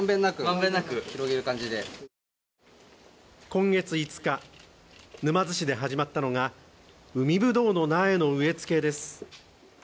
今月５日、沼津市で始まったのが海ぶどうの苗の植え付けです。